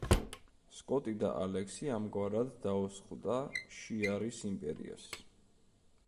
სკოტი და ალექსი ამგვარად დაუსხლტა შიარის იმპერიას.